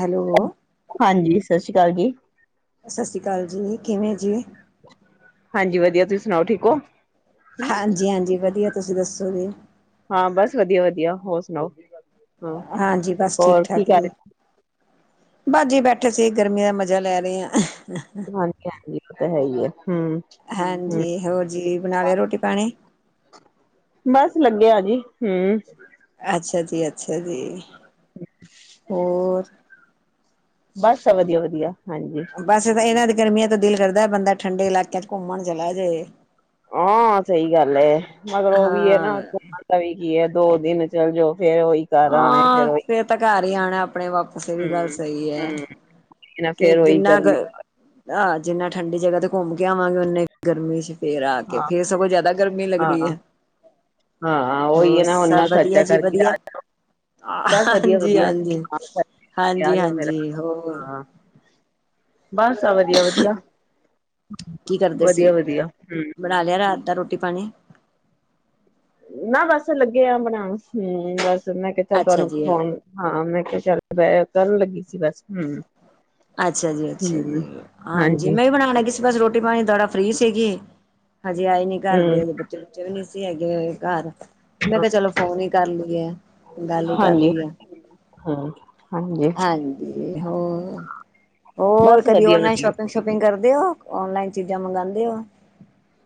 Hello. ਹਾਂਜੀ, ਸਤਿ ਸ਼੍ਰੀ ਅਕਾਲ ਜੀ। ਸਤਿ ਸ਼੍ਰੀ ਅਕਾਲ ਜੀ, ਕਿਵੇਂ ਜੀ? ਹਾਂਜੀ, ਵਧੀਆ ਤੁਹੀ ਸੁਣਾਓ ਠੀਕ ਹੋ? ਹਾਂਜੀ-ਹਾਂਜੀ ਵਧੀਆ, ਤੁਸੀਂ ਦੱਸੋ ਜੀ? ਹਾਂ ਬਸ ਵਧੀਆ-ਵਧੀਆ, ਹੋਰ ਸੁਣਾਓ? ਹਾਂ, ਹਾਂਜੀ ਬਸ ਹੋਰ ਕੀ ਕਰ ਰਹੇ? ਬਾਸ ਜੀ ਬੈਠੇ ਸੀ, ਗਰਮੀ ਦਾ ਮਜਾ ਲੈ ਰਹੇ ਆਂ। ਹਾਂਜੀ-ਹਾਂਜੀ, ਉਹ ਤਾ ਹੈਹੀ ਏ, ਹੂੰ। ਹੂੰ ਹਾਂਜੀ। ਹੋਰ ਜੀ, ਬਣਾ ਲਿਆ ਰੋਟੀ-ਪਾਣੀ? ਬਸ ਲੱਗੇ ਆ ਜੀ, ਹੂੰ। ਅੱਛਾ ਜੀ-ਅੱਛਾ ਜੀ, ਹੋਰ? ਬਸ ਆ ਵਧੀਆ-ਵਧੀਆ ਹਾਂਜੀ। ਬਸ ਤਾਂ ਇਹਨਾਂ ਦੀ ਗਰਮੀਆਂ ਤੋਂ ਦਿਲ ਕਰਦਾ, ਬੰਦਾ ਠੰਡੇ ਇਲਾਕਿਆਂ ਚ ਘੁੰਮਣ ਚਲਾ ਜੇ। ਹਾਂ ਸਹੀ ਗੱਲ ਏ, ਬਸ ਉਹ ਵੀ ਏ ਨਾ। ਹਾਂ, ਤਾ ਵੀ ਕੀ ਹੈ, ਦੋ ਦਿਨ ਚੱਲ ਜਾਓ ਫੇਰ ਉਹੀ ਘਰ ਆਣਾ ਫੇਰ ਉਹੀ। ਤਾਂ ਘਰ ਹੀ ਆਣਾ ਆਪਣੇ ਵਾਪਸ, ਇਹ ਵੀ ਗੱਲ ਹੂੰ ਸਹੀ ਹੈ। ਹੂੰ, ਕਿ ਫੇਰ ਉਹੀ ਜਿੰਨਾ ਕ ਗਰਮੀ ਆਹ ਜਿੰਨਾ ਠੰਡੀ ਜਗਾ ਤੇ ਘੁੰਮ ਕੇ ਆਵਾਂਗੇ ਉਨੇ ਗਰਮੀ ਚ ਫੇਰ ਆ ਕੇ, ਫੇਰ ਸਗੋਂ ਜਿਆਦਾ ਗਰਮੀ ਲੱਗਦੀ ਹਾਂ ਹੈ। ਹਾਂ, ਉਹੀ ਹੋਰ ਹੈ ਨਾ ਸਭ ਓਨਾ ਵਧੀਆ ਖਰਚਾ ਜੀ ਕਰਕੇ ਵਧੀਆ। ਆ, ਬਸ ਵਧੀਆ ਹਾਂਜੀ- ਵਧੀਆ। ਹਾਂਜੀ, ਹਾਂ, ਆ ਜਾਓ ਫੇਰ ਹਾਂਜੀ-ਹਾਂਜੀ ਹੋਰ? ਹਾਂ, ਬਸ ਆ ਵਧੀਆ-ਵਧੀਆ, ਕੀ ਕਰਦੇ ਸੀ ਵਧੀਆ- ਵਧੀਆ ਹੁੰ। ਬਣਾ ਲਿਆ ਰਾਤ ਦਾ ਰੋਟੀ- ਪਾਣੀ। ਨਾ ਬਸ ਲੱਗੇ ਆ ਬਣਾਉਣ, ਹੂੰ ਬਸ ਮੈਂ ਕਿਹਾ ਅੱਛਾ ਤੁਹਾਨੂੰ ਜੀ ਫੋਨ ਹਾਂ ਮੈਂ ਕਿਹਾ ਚੱਲ ਕਰਨ ਲੱਗੀ ਸੀ, ਵੇਸੇ ਹੂੰ। ਅੱਛਾ ਜੀ- ਅੱਛਾ ਹੂੰ ਜੀ ਹਾਂਜੀ, ਮੈਂ ਵੀ ਬਣਾਉਣ ਲੱਗੀ ਸੀ ਬਸ, ਰੋਟੀ- ਪਾਣੀ ਥੋੜਾ ਫਰੀ ਸੀਗੀ। ਹਜੇ ਆਏ ਨੀ ਘਰ, ਹੂੰ ਦੋਵੇ ਬੱਚੇ- ਬੁਚੇ ਵੀ ਨੀ ਸੀ ਹੈਗੇ ਹੋਏ ਘਰ। ਮੈਂ ਕਿਹਾ ਚਲੋ ਫੋਨ ਹੀ ਕਰ ਲਈ ਏ, ਗੱਲ ਹੀ ਕਰ ਹਾਂਜੀ ਲਈਏ। ਹੂੰ ਹਾਂਜੀ। ਹਾਂਜੀ ਹੋਰ? ਹੋਰ ਬਸ ਕਦੀ ਵਧੀਆ ਔਨਲਾਈਨ ਵਧੀਆ। ਸ਼ੋਪਿੰਗ- ਸੂਪਿੰਗ ਕਰਦੇ ਹੋ? ਔਨਲਾਈਨ ਚੀਜ਼ਾਂ ਮੰਗਉਂਦੇ ਹੋ?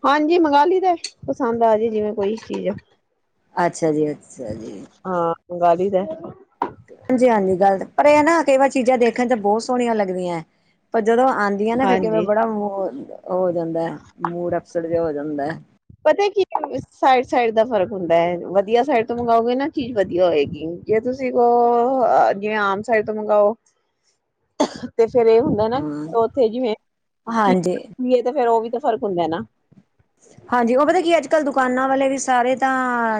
ਹਾਂਜੀ ਮੰਗਾ ਲਈਦਾ ਪਸੰਦ ਆ ਜਾਏ ਜਿਵੇਂ ਕੋਈ ਚੀਜ਼ ਆ। ਅੱਛਾ ਜੀ। ਅੱਛਾ ਜੀ ਹਾਂ, ਮੰਗਾ ਲਈ ਦੈ। ਹਾਂਜੀ-ਹਾਂਜੀ ਗੱਲ ਪਰ ਇਹ ਨਾ ਕਈ ਵਾਰ ਚੀਜ਼ਾਂ ਦੇਖਣ ਚ ਬਹੁਤ ਸੋਹਣੀਆਂ ਲੱਗਦੀਆਂ ਹੈ। ਪਰ ਜਦੋਂ ਆਉਂਦੀਆਂ ਨੇ ਫੇਰ ਕਿਵੇਂ ਹਾਂਜੀ। ਬੜਾ, ਓਹ ਹੋ ਜਾਂਦਾ ਏ ਮੂੜ ਅਫਸੇਡ ਜਿਹਾ ਹੋ ਜਾਂਦਾ ਐ। ਪਤਾ ਕੀ ਸਾਈਡ, ਸਾਈਡ ਦਾ ਫ਼ਰਕ ਹੁੰਦਾ ਹੈ, ਵਧੀਆ ਸਾਈਡ ਤੋਂ ਮੰਗਓਗੇ ਨਾ ਚੀਜ਼ ਵਧੀਆ ਹੋਏਗੀ। ਜੇ ਤੁਸੀਂ ਕੋਹ ਜਿਵੇਂ ਆਮ ਸਾਈਡ ਤੋਂ ਮੰਗਾਓ। [inaudible] ਤੇ ਫੇਰ ਇਹ ਹੁੰਦਾ ਨਾ, ਉੱਥੇ ਜਿਵੇਂ ਹਾਂਜੀ ਵੀਏ ਤੇ ਫੇਰ ਉਹ ਵੀ ਤੇ ਫ਼ਰਕ ਹੁੰਦਾ ਨਾ। ਹਾਂਜੀ ਉਹ ਪਤਾ ਕੀ ਅੱਜ ਕੱਲ ਦੁਕਾਨਾਂ ਵਾਲੇ ਵੀ ਸਾਰੇ ਤਾਂ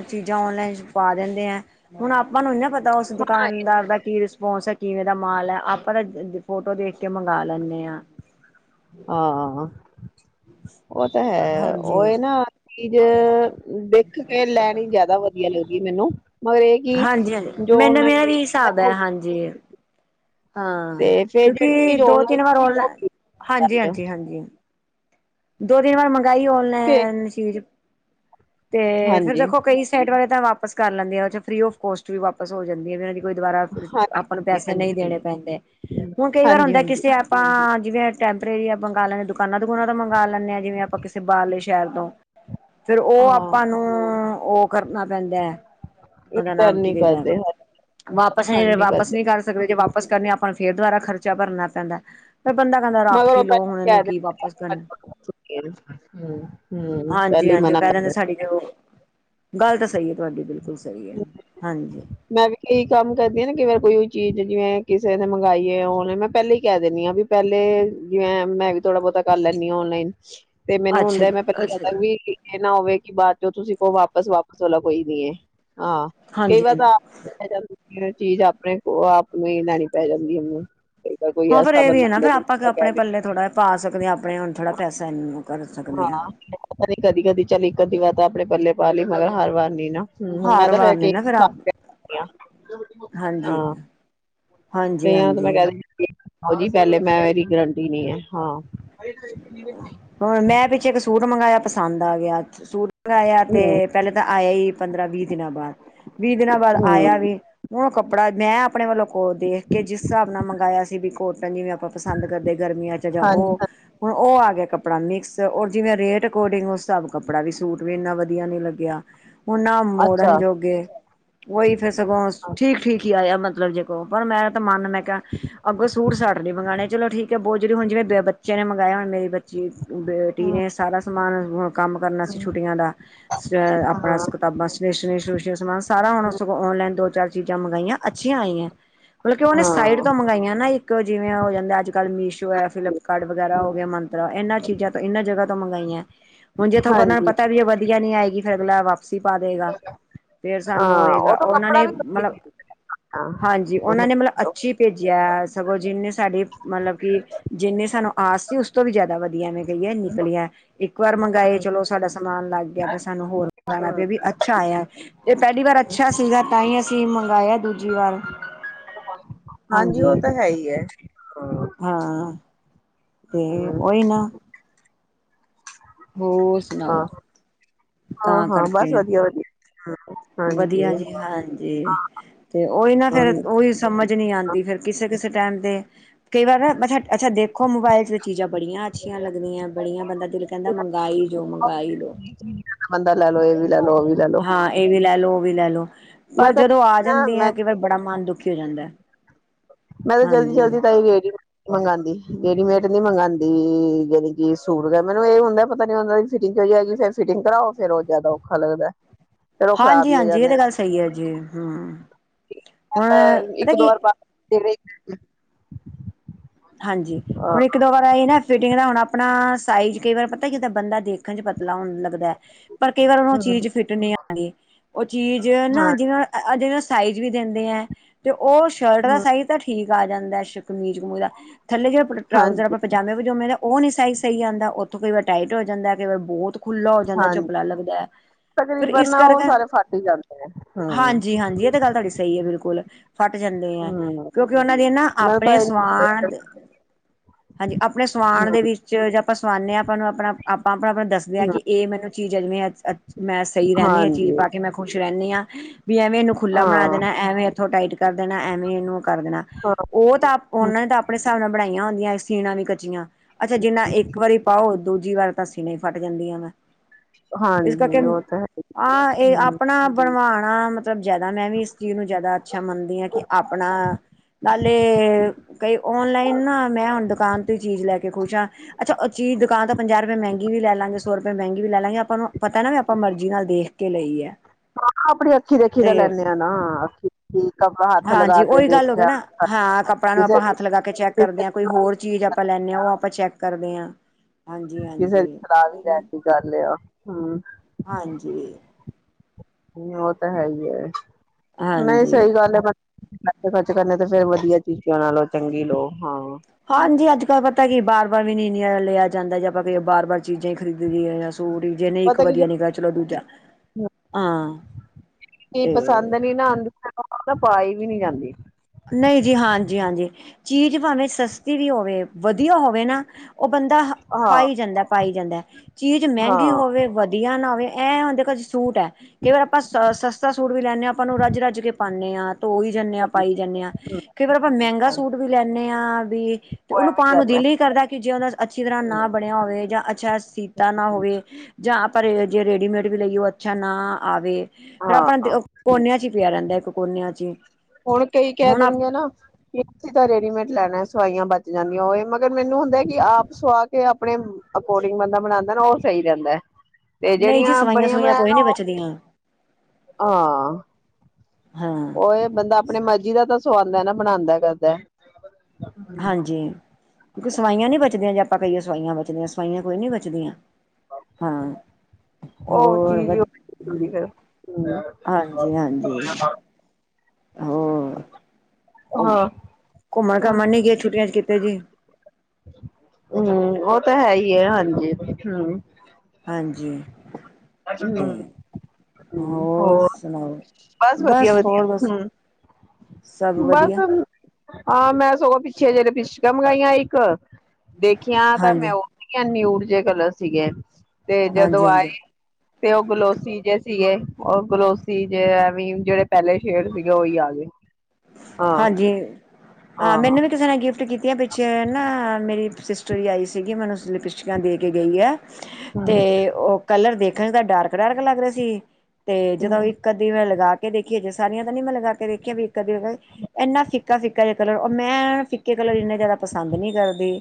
ਚੀਜ਼ਾਂ ਔਨਲਾਈਨ ਚ ਪਾ ਦਿੰਦੇ ਐ। ਹੁਣ ਆਪਾਂ ਨੂੰ ਨੀ ਨਾ ਪਤਾ ਉਸ ਦੁਕਾਨਦਾਰ ਦਾ ਕੀ ਰਿਸਪੋਂਸ ਹੈ। ਕਿਵੇਂ ਦਾ ਮਾਲ ਹੈ, ਆਪਾਂ ਤਾਂ ਫੋਟੋ ਦੇਖ ਕੇ ਮੰਗਾ ਲੈਂਨੇ ਆ। ਹਾਂ, ਉਹ ਤਾਂ ਹੈ ਉਹ ਹਾਂਜੀ ਇਹ ਨਾ। ਚੀਜ਼ ਦੇਖ ਕੇ ਲੈਣੀ ਜਿਆਦਾ ਵਧੀਆ ਲੱਦੀ ਮੈਨੂੰ ਮਗਰ ਇਹ ਕਿ ਹਾਂਜੀ-ਹਾਂਜੀ ਜੋ ਮੈਨੂੰ ਔਨਲਾਈਨ ਮੇਰਾ ਵੀ ਹਿਸਾਬ ਹੈ, ਹਾਂਜੀ। ਹਾਂ, ਤੇ ਫੇਰ ਜਿਹੜੀ ਕਿਉਂਕਿ ਚੀਜ਼ ਦੋ- ਔਨਲਾਈਨ ਤਿੰਨ ਵਾਰ ਓਨਲ ਫੇਰ ਹਾਂਜੀ- ਹਾਂਜੀ, ਹਾਂਜੀ। ਦੋ, ਤਿੰਨ ਵਾਰ ਮੰਗਾਈ ਔਨਲਾਈਨ ਚੀਜ ਤੇ ਫੇਰ ਦੇਖੋ ਕਈ ਸਾਈਟ ਵਾਲੇ ਤਾਂ ਵਾਪਿਸ ਕਰ ਲੈਂਨੇ ਆ, ਜੋ ਫਰੀ ਆਫ ਕੋਸਟ ਵੀ ਵਾਪਸ ਹੋ ਜਾਂਦੀ ਹੈ ਵੈਰੀ ਕੋਈ ਦੁਬਾਰਾ ਹਾਂਜੀ, ਆਪਾਂ ਨੂੰ ਪੈਸੇ ਹਾਂਜੀ, ਨਹੀਂ ਦੇਣੇ ਹਾਂਜੀ। ਪੈਂਦੇ, ਹੁਣ ਕਈ ਵਾਰ ਹੁੰਦਾ ਹਾਂਜੀ-ਹਾਂਜੀ, ਕਿਸੇ ਐਪ ਆਪਾਂ ਜਿਵੇਂ ਟੈਂਪਰੇਰੀ ਆਪ ਮੰਗਾ ਲੈਂਨੇ ਦੁਕਾਨਾਂ- ਦੁਕੂਨਾਂ ਦਾ ਮੰਗਾ ਲੈਂਨੇ ਹਾਂ, ਜਿਵੇਂ ਆਪਾਂ ਕਿਸੇ ਬਾਹਲੇ ਸ਼ਹਿਰ ਤੋਂ ਫੇਰ ਉਹ ਆਪ ਆਪਾ ਹਾਂ ਨੂੰ ਉਹ ਕਰਨਾ ਪੈਂਦਾ ਹੈ, ਉਹਦਾ ਨਾਮ ਰਿਟਰਨ ਨੀ ਕਿਵੇ ਦਾ ਕਰਦੇ ਵਾਪਸ ਨੀ ਰਿਫੰਡ ਫੇ ਵਾਪਿਸ ਕਰਦੇ। ਨੀ ਕਰ ਸਕਦੇ, ਜੇ ਵਾਪਿਸ ਕਰਨੇ ਆਪਾਂ ਨੂੰ ਫੇਰ ਦੁਬਾਰਾ ਖਰਚਾ ਭਰਨਾ ਪੈਂਦਾ। ਫੇਰ ਬੰਦਾ ਕਹਿੰਦਾ ਰੱਖ ਮਗਰ ਹੀ ਉਹ ਲੋਓ ਪਹਿਲਾਂ ਹੁਣ ਇਹਨੂੰ ਕਹਿ ਦਿੰਦੇ ਕੀ ਵਾਪਸ ਕਰਨਾ। ਹੂੰ, ਪਹਿਲੇ ਹੀ ਮਨਾ ਕਹਿ ਦਿੰਦੇ ਕਰ ਸਾਡੀ ਤੇ ਉਹ ਗੱਲ ਤਾਂ ਸਹੀ ਹੈ ਤੁਹਾਡੀ ਬਿਲਕੁਲ ਸਹੀ ਹੈ, ਹਾਂਜੀ। ਮੈਂ ਵੀ ਕਈ ਕੰਮ ਕਰਦੀ ਹਾਂ ਨਾ, ਕਈ ਵਾਰ ਕੋਈ ਚੀਜ਼ ਜਿਵੇਂ ਕਿਸੇ ਨੇ ਮੰਗਾਈ ਹੈ, ਆਨਲਾਈਨ ਮੈਂ ਪਹਿਲਾਂ ਹੀ ਕਹਿ ਦੇਨੀ ਹਾਂ ਵੀ ਪਹਿਲੇ ਜਿਵੇਂ ਮੈਂ ਵੀ ਥੋੜਾ ਬਹੁਤਾ ਕਰ ਲੈਂਦੀ ਹਾਂ ਔਨਲਾਈਨ। ਤੇ ਮੈਨੂੰ ਅੱਛਾ ਹੁੰਦਾ ਜੀ ਮੈਂ ਪਹਿ ਅੱਛਾ ਜੀ ਕ ਵੀ ਇਹ ਨਾ ਹੋਵੇ ਕਿ ਬਾਅਦ ਚ ਤੁਸੀਂ ਕੋ ਵਾਪਸ। ਕਈ ਹਾਂਜੀ ਵਾਰ ਹਾਂਜੀ ਤਾਂ ਪੈ ਜਾਂਦੀ ਏ ਚੀਜ਼ ਆਪਣੇ ਕੋ ਆਪ ਨੂੰ ਹੀ ਲੈਣੀ ਪੈ ਜਾਂਦੀ ਉਹਨੂੰ ਵਾਰ ਕੋਈ ਹਾਂ ਪਰ ਐਸਾ ਇਹ ਵੀ ਬੰਦਾ ਹੈ ਨਾ, ਹੁੰਦਾ ਫਿਰ ਜਿਹਨੂੰ ਆਪਾਂ ਕਹਿ ਆਪਣੇ ਦਿੰਦੇ ਪੱਲੇ ਥੋੜ੍ਹਾ ਪਾ ਸਕਦੇ ਹਾਂ। ਆਪਣੇ ਹੁਣ ਥੋੜਾ ਪੈਸਾ ਨੂੰ ਕਰ ਸਕਦੇ ਹਾਂ। ਪਤਾ ਨੀ, ਕਦੀ -ਕਦੀ ਚੱਲ ਇੱਕ- ਅੱਧੀ ਵਾਰ ਤਾਂ ਆਪਣੇ ਪੱਲੇ ਪਾ ਲਈ ਮਗਰ, ਹਰ ਵਾਰ ਨੀ ਨਾ ਹਮ ਮੈਂ ਹਾਰ ਵਾਰ ਫਿਰ ਨੇ ਨਾ ਆਪ ਹਾਂਜੀ ਹਾਂਜੀ -ਹਾਂਜੀ। ਹਾਂਜੀ ਪਹਿਲੇ ਮੈਂ ਏਦੀ, ਗਰੰਟੀ ਨੀ ਆ, ਹਾਂ। ਹੁਣ ਮੈਂ, ਪਿੱਛੇ ਇੱਕ ਸੂਟ ਮੰਗਇਆ ਪਸੰਦ ਆ ਗਿਆ ਸੂਟ ਆਇਆ ਤੇ ਹੂੰ ਪਹਿਲੇ ਤਾਂ, ਆਇਆ ਨਹੀਂ ਪੰਦਰਾਂ- ਵੀਹ ਦਿਨਾਂ ਬਾਅਦ, ਵੀਹ ਦਿਨਾਂ ਬਾਅਦ ਆਇਆ ਹੂੰ ਵੀ ਹੁਣ ਕੱਪੜਾ ਮੈਂ ਆਪਣੇ ਵੱਲੋਂ ਕੋਲ ਦੇਖ ਕੇ, ਜਿਸ ਹਿਸਾਬ ਨਾਲ ਮੰਗਵਾਆ ਸੀ, ਵੀ ਕੋਟਨ ਜਿਵੇਂ,, ਆਪਾਂ ਪਸੰਦ ਕਰਦੇ ਗਰਮੀਆਂ ਚ। ਅਤੇ ਜਾਂ ਹਾਂਜੀ ਉਹ ਹੁਣ ਉਹ ਆ ਗਿਆ ਕੱਪੜਾ ਮਿਕਸ, ਔਰ ਜਿਵੇਂ, ਰੇਟ ਅਕੋਰਡਿੰਗ ਉਸ ਹਿਸਾਬ ਕੱਪੜਾ ਵੀ ਸੂਟ ਵੀ, ਇੰਨਾ ਵਧੀਆ ਨਹੀਂ ਲੱਗਿਆ। ਹੁਣ ਨਾ, ਅੱਛਾ ਮੋੜਨ ਜੋਗੇ। ਉਹੀ ਫਿਰ ਸਗੋਂ, ਠੀਕ- ਠੀਕ ਹੀ ਆਇਆ ਮਤਲਬ ਜੇ ਕੋੋ ਪਰ ਮੇਰਾ ਤਾਂ ਮਨ ਮੈਂ ਅੱਗੋਂ ਸੂਟ ਸਾਡੇ ਮੰਗਉਣੇ, ਚਲੋ ਠੀਕ ਹੈ ਬਹੁਤ ਜਿਵੇਂ, ਬੱਚੇ ਨੇ ਮੰਗਵਾਇਆ ਮੇਰੀ ਬ ਜੀ ਬੇਟੀ ਹਾਂ ਨੇ, ਸਾਰਾ ਸਮਾਨ ਕੰਮ, ਕਰਨਾ ਹਾਂ ਸੀ, ਛੁੱਟੀਆਂ ਦਾ ਅ ਆਪਣਾ ਹਾਂ ਕਿਤਾਬਾਂ ਸ੍ਰੇਸ਼ਨ ਸਮਾਨ ਸਾਰਾ ਸਗੋਂ, ਔਨਲਾਈਨ ਦੋ ਚਾਰ ਚੀਜ਼ਾਂ, ਮੰਗਾਈਆਂ ਅੱਛੀਆਂ ਆਈਆਂ ਮਤਲਬ ਕਿ, ਉਹਨੇ ਸਾਈਡ ਤੋਂ ਮੰਗਾਈਆਂ ਨਾ ਇੱਕ ਔ ਜਿਵੇਂ ਹੋ ਜਾਂਦਾ, ਅੱਜ- ਕੱਲ ਮੀਸ਼ੋ ਫਲਿਪਕਾਰਟ ਵਗ ਵਗੈਰਾ ਹੋ ਗਏ ਮੰਤਰਾ, ਇਹਨਾਂ ਚੀਜ਼ਾਂ ਤੋਂ ਇਹਨਾਂ ਜਗ੍ਹਾ ਤੋਂ ਮੰਗਾਈਆਂ ਹੁਣ ਜਿਥੋਂ, ਬੰਦੇ ਹਾਂਜੀ ਪਤਾ ਵੀ ਉਹ ਵਧੀਆ ਨੀ ਆਏਗੀ ਫਿਰ ਅਗਲਾ ਵਾਪ ਵਪਸੀ ਪਾ ਦੇਗਾ, ਫੇਰ ਸਾਨੂੰ ਹਾਂ ਉਹ ਹੋਏਗਾ ਤਾਂ ਉਹਨਾਂ ਕੱਪੜਾ ਨੇ, ਵੀ ਮਤਲਬ ਹਾਂ ਹਾਂਜੀ, ਉਹਨਾਂ ਨੇ ਮਤਲਬ ਇਹਨਾਂ ਅੱਛੀ ਭੇਜਿਆ ਸਗੋਂ ਜਿਹਨੇ ਸਾਡੀ, ਮਤਲਬ ਕਿ ਜਿਹਨੇ ਸਾਨੂੰ ਆਸ ਉਸ ਤੋਂ ਵੀ ਜ਼ਿਆਦਾ ਵਧੀਆ ਨਿਕਲੀਆਂ। ਇੱਕ ਵਾਰ ਮੰਗਵਾਏ ਚਲੋ, ਸਾਡਾ ਸਮਾਨ ਲੱਗ ਗਿਆ ਪਰ, ਸਾਨੂੰ ਹੋਰ ਮੰਗਵਾਉਣਾ ਹੂੰ ਪਿਆ ਵੀ ਅੱਛਾ ਆਇਆ। ਤੇ ਪਹਿਲੀ ਵਾਰ ਅੱਛਾ ਸੀਗਾ, ਤਾਂ ਹੀ ਅਸੀਂ ਮੰਗਾਇਆ ਦੂਜੀ ਵਾਰ ਹਾਂਜੀ, ਉਹ ਤਾਂ ਹੈ ਹੀ ਹੈ। ਹਾਂ ਤੇ ਓਹੀ ਨਾ। ਹੋਰ ਸੁਣਾਓ? ਹਾਂ ਹਾਂ- ਤਾਂ ਹਾਂ ਬਸ, ਕਰਕੇ ਵਧੀਆ ਵਧੀਆ। ਹਾਂਜੀ ਵਧੀਆ ਜੀ, ਹਾਂਜੀ, ਤੇ ਉਹੀ ਨਾ ਫੇਿਰ ਉਹੀ ਸਮਝ ਨਹੀਂ ਆਉਂਦੀ, ਫਿਰ ਕਿਸੇ -ਕਿਸੇ ਟਾਈਮ ਤੇ ਕਈ ਵਾਰ, ਅੱਛਾ -ਅੱਛਾ ਦੇਖੋ ਮੋਬਾਇਲ 'ਚ ਚੀਜ਼ਾਂ ਬੜੀਆਂ ਅੱਛੀਆਂ, ਲੱਗਦੀਆਂ ਬੜੀਆਂ ਬੰਦਾ ਦਿਲ ਕਹਿੰਦਾ ਮੰਗਾਈ ਜਾਉ, ਮੰਗਾਈ ਜਾਉ। ਬੰਦਾ, ਲੈ ਲੋ, ਇਹ ਵੀ ਲੈ ਲੋ, ਉਹ ਵੀ ਲੈ ਲੋ। ਹਾਂ, ਇਹ ਵੀ ਲੈ ਲਓ, ਉਹ ਵੀ ਲੈ ਲੋ, ਮੈਂ ਪਰ ਤਾਂ ਜਦੋਂ ਆ ਜਾਂਦੇ ਮੈਂ ਆ, ਕਈ ਵਾਰ ਬੜਾ ਮਨ ਦੁਖੀ ਹੋ ਜਾਂਦਾ ਹੈ। ਮੈਂ ਤਾਂ, ਜਲਦੀ -ਜਲਦੀ ਤਾਂ ਹੀ ਗੇੜੀ ਮੰਗਵਾਉਂਦੀ ਰੇਡੀਮੇਡ ਨਈ, ਮੰਗਵਾਉਂਦੀ ਯਣੀ ਕਿ ਸੂਟ ਮੈਨੂੰ ਇਹ ਹੁੰਦਾ ਪਤਾ ਨੀ ਹੁੰਦਾ ਫਿਟਗ ਨੀ ਹੋਗੀ, ਫਿਟਿੰਗ ਕਰਓ ਫੇਰ ਉਹ ਜ਼ਿਆਦਾ ਔਖਾ ਲੱਗਦਾ। ਫਿਰ ਉਹ ਖਰਾਬ ਹਾਂਜੀ- ਹੀ ਹੋ ਹਾਂਜੀ ਇਹ ਜਾਂਦੇ ਤਾਂ ਨੇ ਗੱਲ ਸਹੀ, ਹੈ ਜੀ ਹਮ ਹੁਣ ਅ ਪਤਾ ਇੱਕ ਦੋ ਕੀ ਵਾਰ ਪਾ ਕੇ ਵੇਖ ਹਾਂਜੀ, ਅ ਹੁਣ ਇੱਕ ਦੋ -ਵਾਰ ਆਈ ਨਾ ਫਿਟਿੰਗ ਦਾ ਹੁਣ, ਆਪਣਾ ਸਾਈਜ਼ ਕਈ ਵਾਰ ਪਤਾ, ਜਿੱਦਾਂ ਬੰਦਾ ਦੇਖ ਹਾਂਜੀ, ਪਤਲਾ ਹੋਣ ਲੱਗਦਾ, ਪਰ ਕਈ ਵਾਰ, ਉਹ ਹੂੰ ਚੀਜ਼ ਚ ਫਿੱਟ ਨਹੀਂ ਆਂਨੀਂ ਉਹ ਚੀਜ਼ ਨਾ ਹਾਂ ਜਿਹਨਾ, ਅ ਜਿਹ ਸਾਈਜ਼ ਵੀ ਦਿੰਦੇ ਆ, ਤੇ ਉਹ ਸ਼ਰਟ ਦਾ ਹੂੰ ਸਾਈਜ਼ ਤਾਂ ਠੀਕ ਆ ਜਾਂਦਾ, ਸਮੀਜ਼ ਕਮੀਜ ਦਾ ਥੱਲੇ ਜਿਹੜਾ ਟਰਾਊਜ਼ਰ ਹਾਂਜੀ ਆਪਾਂ ਪਜਾਮੇ -ਪਜੂਮੇ ਦਾ ਉਹ ਨਹੀਂ ਸਾਈਜ਼ ਸਹੀ ਆਉਂਦਾ, ਉੱਥੋਂ ਕਈ ਵਾਰ ਟਾਈਟ ਹੋ ਜਾਂਦਾ, ਕਈ ਵਾਰ ਬਹੁਤ ਖੁੱਲ਼ਾ ਹੋ ਜਾਂਦਾ, ਹਾਂਜੀ ਚਝੱਪਲਾ ਲੱਗਦਾ ਫਿਰ ਤਕਰੀਬਨ ਇਸ ਨਾ, ਉਹ ਕਰਕੇ ਸਾਰੇ ਫਟ ਜਾਂਦੇ ਆ ਹਮ, ਹਾਂਜੀ ਹਾਂਜੀ ਇਹ ਗੱਲ ਤੁਹਾਡੀ ਸਹੀ ਹੈ ਬਿਲਕੁਲ ਫੱਟ ਜਾਂਦੇ ਆ, ਹੂੰ ਕਿਉਂਕਿ ਉਹਨਾਂ ਦੇ ਨਾ ਮੈਂ ਤਾਂ ਆਪਣੇ ਹੂੰ ਸਵਾਨ ਹਾਂਜੀ ਆਪਣੇ ਸਾਵਣ ਦੇ ਹੂੰ ਵਿੱਚ ਜਾ ਆਪਾਂ ਸਵਾਨਦੇ ਆ ਆਪਾਂ ਨੂੰ ਆਪਣਾ ਆਪਾਂ ਆਪਣਾ-ਆਪਣਾ ਦੱਸ ਦੱਸਦੇ ਆ ਕਿ ਇਹ ਮੈਨੂੰ ਚੀਜ਼ ਐਵੇਂ ਮੈਂ ਸਹੀ ਰਹਿੰਦੀ ਹਾਂ, ਚੀਜ਼ ਹਾਂਜੀ ਪਾ ਕੇ ਮੈਂ ਖ਼ੁਸ਼ ਰਹਿੰਦੀ ਹਾਂ ਵੀ ਐਵੇਂ ਇਹਨੂੰ ਖੁੱਲ੍ਹਾ ਬਣਾ ਹਾਂ ਦੇਣਾ ਐਵੇਂ ਇੱਥੋਂ ਟਾਈਟ ਕਰ ਦੇਣਾ ਐਵੇਂ ਇਹਨੂੰ ਕਰ ਦੇਣਾ, ਹਾਂ ਉਹ ਤਾਂ ਉਹਨਾਂ ਨੇ ਤਾਂ ਆਪਣੇ ਹਿਸਾਬ ਨਾਲ ਬਣਾਈਆਂ ਹੁੰਦੀਆਂ ਸੀਣਾ ਵੀ ਕੱਚੀਆਂ ਅੱਛਾ ਜਿੰਨਾ ਇੱਕ ਵਾਰੀ ਪਾਓ ਦੂਜੀ ਵਾਰ ਤਾਂ ਸੀਨ ਫਟ ਜਾਂਦੀਆਂ ਵਾ ਇਸ ਕਰਕੇ ਹਾਂਜੀ ਉਹ ਤਾਂ ਹੈ ਆਹ ਇਹ ਹੂੰ ਆਪਣਾ ਬਣਵਾਣਾ ਮਤਲਬ ਮਤਲਬ ਜਿਆਦਾ ਮੈਂ ਵੀ ਇਸ ਚੀਜ਼ ਨੂੰ ਜਿਆਦਾ ਅੱਛਾ ਮੰਨਦੀ ਹਾਂ ਕਿ ਆਪਣਾ ਨਾਲੇ ਕਈ? ਔਨਲਾਈਨ ਨਾ, ਮੈਂ ਹੁਣ ਦੁਕਾਨ ਤੋਂ ਹੀ ਚੀਜ਼ ਲੈ ਕੇ ਖੁਸ਼ ਹਾਂ ਅੱਛਾ, ਉਹ ਚੀਜ਼ ਦੁਕਾਨ ਤਾਂ ਪੰਜਾਹ ਰੁਪਏ ਮਹਿੰਗੀ ਵੀ ਲੈ ਲਾਂਗੇ ਸੌ ਰੁਪਏ ਮਹਿੰਗੀ ਵੀ ਲੈ ਲਾਂਗੇ ਆਪਾਂ ਨੂੰ ਪਤਾ ਨਾ ਵੀ ਆਪਾਂ ਮਰਜ਼ੀ ਨਾਲ ਦੇਖ ਕੇ ਲਈ ਹੈ। ਹਾਂ, ਆਪਣੀ ਅੱਖੀ ਦੀ ਅੱਖੀ ਦਾ ਤੇ ਲੈਂਦੇ ਆ ਨਾ ਅੱਖੀ ਹੱਥ ਹਾਂਜੀ ਲਗਾ ਕੇ ਉਓਹੀ ਗੱਲ ਹੋ ਗੀ ਦੇਖਿਆ ਨਾ ਹਾਂ ਕੱਪੜਾ ਨੂੰ ਕਿਸੇ ਆਪਾਂ ਹੱਥ ਲਗਾ ਕੇ ਚੈੱਕ ਕਿਸੇ ਕਰਦੇ ਹਾਂ। ਦੀ ਕੋਈ ਸਲਾਹ ਹੋਰ ਚੀਜ਼ ਆਪਾਂ ਲੈਦੇ ਹਾਂ ਉਹ ਆਪਾਂ ਚੈੱਕ ਕਰਦੇ ਹਾਂ, ਹਾਂਜੀ ਹਾਂਜੀ ਨਾ ਚੱਲਿਆ ਹਮ ਹਾਂਜੀ। ਉਹ ਤਾਂ ਹੈ ਹੀ, ਨਹੀਂ ਹਾਂਜੀ ਸਹੀ ਗੱਲ ਹੈ। ਪੈਸੇ ਖਰਚੇ ਖ਼ਰਚ ਕਰਨੇ ਤੇ ਫੇਰ ਵਧੀਆ ਚੀਜ਼ ਕਿਉਂ ਨਾ ਲਓ, ਚੰਗੀ ਲੋਓ ਹਾਂ ਹਾਂਜੀ ਅੱਜ ਕੱਲ ਪਤਾ ਕਿ ਬਾਰ ਬਾਰ ਵੀ ਨੀ ਲਿਆ ਜਾਂਦਾ ਜੇ ਆਪਾਂ ਕੋਈ ਬਾਰ ਬਾਰ ਚੀਜ਼ਾਂ ਹੀ ਖਰੀਦਦੇਏ ਜਿਹਨੇ ਇੱਕ ਪਤਾ ਕੀ ਵਧੀਆ ਨੀਗਾ ਚਲੋ ਦੂਜਾ, ਹਾਂ ਕੀ ਤੇ ਪਸੰਦ ਨਹੀਂ ਨਾ ਆਉਂਦੀ ਤਾਂ ਪਾਈ ਵੀ ਨਹੀਂ ਜਾਂਦੀ ਨਹੀਂ ਜੀ, ਹਾਂਜੀ ਹਾਂਜੀ। ਚੀਜ਼ ਭਾਵੇਂ ਸਸਤੀ ਵੀ ਹੋਵੇ ਵਧੀਆ ਹੋਵੇ ਨਾ, ਉਹ ਬੰਦਾ ਹਾਂ ਪਾਈ ਜਾਂਦਾ ਪਾਈ ਜਾਂਦਾ, ਚੀਜ਼ ਮਹਿੰਗੀ ਹਾਂ ਹੋਵੇ ਵਧੀਆ ਨਾ ਹੋਵੇ, ਐਂ ਹੁਣ ਦੇਖੋ, ਸੂਟ ਹੈ ਕਈ ਵਾਰ ਆਪਾਂ ਸ ਸਸਤਾ ਸੂਟ ਵੀ ਲੈਂਦੇ ਹਾਂ ਆਪਾਂ ਉਹ ਨੂੰ ਰੱਜ ਰੱਜ ਕੇ ਪਾਉਂਦੇ ਹਾਂ, ਤਾਂ ਵੀ ਜਾਂਦੇ ਹਾਂ ਪਾਈ ਜਾਂਦੇ ਹਾਂ ਕਈ ਫਰ ਆਪਾਂ ਮਹਿੰਗਾ ਸੂਟ ਵੀ ਲੈਂਦੇ ਹਾਂ ਵੀ ਤੇ ਉਹ ਉਹਨੂੰ ਐਵੇਂ ਪਾਉਣ ਨੂੰ ਜਾਂਦਾ ਦਿਲ ਹੀ ਕਰਦਾ ਕਿ ਜੇ ਉਹਦਾ ਅੱਛੀ ਤਰ੍ਹਾਂ ਨਾ ਬਣਿਆ ਹੋਵੇ ਜਾਂ ਅੱਛਾ ਸੀਤਾ ਨਾ ਹੋਵੇ, ਜ ਆਪਾਂ ਜੇ ਰੇਡੀਮੇਡ ਵੀ ਲਈਏ ਅੱਛਾ ਨਾ ਆਵੇ ਫ਼ੇਿਰ ਹਾਂ ਆਪਣਾ ਹਾਂ ਕੋਨਿਆਂ ਚ ਹੀ ਪਿਆ ਰਹਿੰਦਾ ਇੱਕ ਕੋਨਿਆਂ 'ਚ ਹੀ ਹੁਣ ਕਈ ਕਹਿ ਹੁਣ ਦੇਣਗੇ ਨਾ ਅਸੀ ਤਾਂ ਰੈਡੀਮੇਡ ਲੈਣਾ ਸਵਾਈਆਂ ਬਚ ਜਾਂਦੀਆਂ ਹੋਵੇ ਮਗਰ ਮੈਨੂੰ ਹੁੰਦਾ ਕਿ ਆਪ ਸਵਾ ਕੇ, ਆਪਣੇ ਅਕੋਰਡਿੰਗ ਬੰਦਾ ਬਣਾਉਂਦਾ ਨਾ, ਉਹ ਸਹੀ ਰਹਿੰਦਾ ਤੇ ਨਹੀਂ ਜੀ ਜਿਹੜੀਆਂ ਸਵਾਈਆਂ ਬਣੀਆਂ ਸਵੂਈਆਂ ਬਣਾਆ ਕੋਈ ਨਾ ਨੀ ਉਹ, ਬਚਦੀਆਂ ਹਾਂ ਹਾਂ ਉਹ ਬੰਦਾ ਆਪਣੀ ਮਰਜੀ ਦਾ ਤਾਂ ਸਵਾੳਦਾ ਹੈ ਨਾ ਬਣਾਉਂਦਾ ਕਰਦਾ। ਹਾਂਜੀ, ਕਿਉਂਕਿ ਸਵਾਈਆਂ ਨੀ ਬਚਦੀਆਂ ਜੇ ਆਪਾਂ ਕਹੀਏ ਸਵਾਈਆਂ ਬਚਦੇ ਹ ਸਵਾਈਆਂ ਕੋਈ ਨੀ ਬਚਦੀਆਂ। ਹਾਂ- ਉਹ ਹੋਰ ਵ, ਚੀਜ਼ ਹ ਫਿਰ ਹਾਂਜੀ ਹਾਂਜੀ ਹੋਰ, ਹਾਂ ਘੁੰਮਣ ਹਮ ਘਮਣ ਨੀ ਗਏ ਛੁੱਟੀਆਂ ਚ ਕਿਤੇ ਜੀ? ਹਮ ਉਹ ਤਾਂ ਹੈ ਹੀ ਹੈ, ਹਾਂਜੀ ਹਮ ਹਾਂਜੀ। ਅੱਛ। ਤੇ ਹੋਰ, ਬਸ ਵਧੀਆ ਹੋਰ ਵਧੀਆ ਬਸ ਹਮ ਸਭ ਬਸ ਵਧੀਆ। ਹਾਂ ਮੈਂ ਸਗੋਂ ਪਿੱਛੇ ਜਿਹੜੇ ਪਿਛਕ ਲਿਪਸਟਿਕਾ ਮੰਗਾਈਆਂ ਇੱਕ, ਦੇਖੀਆਂ ਤਾਂ ਹਾਂਜੀ ਮੈਂ ਉਹ ਨਿਊਡ ਜੇ ਕਲਰ ਸੀਗੇ, ਤੇ ਜਦੋਂ ਹਾਂਜੀ ਹਾਂਜੀ। ਆਏ ਤੇ ਉਹ ਗਲੋਸੀ ਜਿ ਸੀਗੇ ਉਹ ਗਲੋਸੀ ਜ ਜਿਹੜੇ ਪਹਿਲੇ ਸ਼ੇਡ ਸੀਗੇ ਉਹੀ ਆ ਗਏ। ਅਛਾ। ਹਾਂ ਹਾਂਜੀ, ਹਾਂ ਮੈਨੂੰ ਵੀ ਕਿਸੇ ਨੇ ਗਿਫਟ ਕੀਤੀ ਆ ਪਿੱਛੇ ਨਾ ਮੇਰੀ ਸਿਸਟਲ ਆਈ ਸੀਗੀ ਮੈਨੂੰ ਲਿਪਿਸਟਿਕਾਂ ਦੇ ਕੇ ਗਈ ਹੈ ਅਤੇ ਉਹ ਕਲਰ ਦੇਖਣ ਤਾਂ ਡਾਰਕ ਡਾਰਕ ਲੱਗ ਰਿਹੇ ਸੀ ਤੇ ਜਦੋਂ ਹੂੰ ਇਕ। ਦੀ ਮੈਂ ਲਗਾ ਕੇ ਦੇਖੀ ਜੇ ਸਾਰੀਆਂ ਤਾਂ ਨੀ ਮੈਂ ਲਗਾ ਕੇ ਦੇਖੀਆਂ ਵੀ। ਇੰਨਾ ਫਿੱਕਾ ਫਿੱਕਾ ਜਿਹਾ ਕਲਰ ਉਹ ਮੈਂ। ਫਿਕੇ ਕਲਰ ਇੰਨੇ ਜ਼ਿਆਦਾ ਪਸੰਦ ਨਹੀਂ ਕਰਦੇ।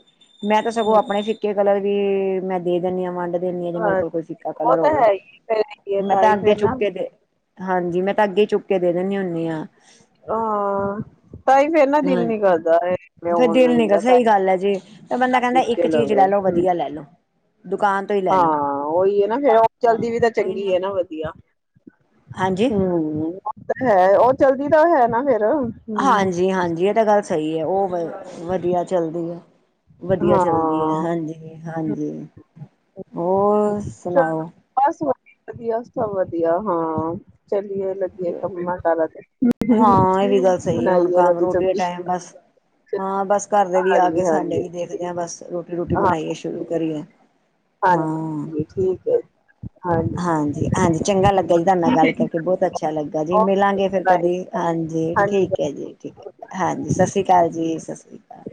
ਮੈਂ ਤਾਂ ਸਗੋਂ ਆਪਣੇ ਫਿੱਕੇ ਕਲਰ ਵੀ ਮੈਂ ਦੇ ਦਿੰਦੀ ਹਾਂ ਵੰਡ ਦਿੰਦੀ ਹਾਂ ਜੇ ਮੇਰੇ ਕੋਲ ਕੋਈ ਫਿਕਾ ਉਹ ਕਲਰ ਤਾਂ ਹੋਵੇ ਹੈ ਹੀ ਫਿਰ ਮੈਂ ਤਾਂ ਹੀ ਅੱਗੇ ਫਿਰ ਨਾ ਚੁੱਕ ਕੇ ਤੇ। ਹਾਂਜੀ, ਮੈਂ ਤਾਂ ਅੱਗੇ ਚੁੱਕ ਕੇ ਦੇ ਦਿੰਦੀ ਹੁੰਦੀ ਹਾਂ। ਹਾਂ। ਤ ਹਾਂ ਫੇਰ ਦਿਲ ਨੀਂ ਕਰ ਦਾ ਸਹੀ ਗੱਲ ਹੈ ਜੇ ਫੇਰ ਬੰਦਾ ਕਹਿੰਦਾ। ਇੱਕ ਚੀਜ਼ ਲਵੇ ਲੈ ਲਓ ਵਧੀਆ ਲੈ ਲਓ ਦੁਕਾਨ। ਤੋਂ ਹੀ ਲੈ ਲੋ। ਹਾਂ ਉਹੀ ਹੈ ਨਾ ਫੇਰ ਚਲ ਹਾਂ ਦੀ ਵੀ ਤਾਂ ਉਹੀ ਚੰਗੀ ਹੈ ਨਾ ਵਧੀਆ। ਹਾਂਜੀ ਹਮ ਉਹ ਤਾਂ ਹੈ ਉਹ ਚਲਦੀ ਤਾਂ ਹੈ ਨਾ ਫੇਰ। ਹਮ ਹਾਂਜੀ ਹਾਂਜੀ ਇਹ ਤਾਂ ਗੱਲ ਸਹੀ ਹੈ ਉਹ ਵਧੀਆ ਚੱਲਦੀ ਹੈ। ਵਧੀਆ ਚੱਲਦੀ ਹੈ ਹਾਂ ਹਾਂਜੀ, ਹਾਂਜੀ ਹੋਰ ਸੁਣਾਓ? ਬਸ ਵਧੀਆ, ਵਧੀਆ ਸਭ ਵਧੀਆ ਹਾਂ ਚੱਲੀਏ ਲ ਮਨ ਕਰ ਰਹਾ ਥਾ ਹਾਂ ਇਹ ਵੀ ਗੱਲ [unintelligible] ਸਹੀ ਹੈ ਹੁਣ ਬਣਾਈਏ ਕੰਮ ਰੋਟੀ ਦਾ ਸਬਜ਼ੀ। ਟਾਈਮ ਬਸ ਹਾਂ ਬਸ ਘਰ ਦੇ ਵੀ ਆ ਹਾਂਜੀ ਗਏ ਸਾਡੇ ਹਾਂਜੀ ਵੀ ਦੇਖਦੇ ਆ ਬਸ ਰੋਟੀ, ਰੋਟੀ ਹਾਂ ਬਣਾਈਏ ਸ਼ੁਰੂ ਕਰੀਏ। ਹਾਂ। ਹਾਂਜੀ ਠੀਕ ਹੈ। ਹਾਂਜੀ, ਹਾਂਜੀ ਚੰਗਾ ਲੱਗਾ ਜੀ ਤੁਹਾਡੇ ਨਾਲ ਗੱਲ ਕਰਕੇ ਬਹੁਤ ਅੱਛਾ। ਲੱਗਾ ਜੀ ਮਿਲਾਂਗੇ ਓਕੇ ਫਿਰ ਬਾਏ ਕਦੀ ਹਾਂਜੀ ਠੀਕ ਹਾਂਜੀ ਹੈ। ਓਕੇ ਜੀ, ਠੀਕ ਹੈ ਜੀ, ਹਾਂਜੀ ਸਤਿ ਸ੍ਰੀ ਅਕਾਲ ਜੀ, ਸਤਿ ਸ੍ਰੀ ਅਕਾਲ।